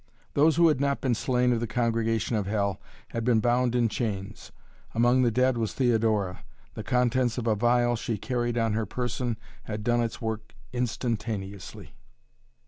Those who had not been slain of the congregation of Hell had been bound in chains. Among the dead was Theodora. The contents of a phial she carried on her person had done its work instantaneously.